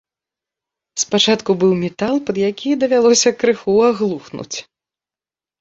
Спачатку быў метал, пад які давялося крыху аглухнуць.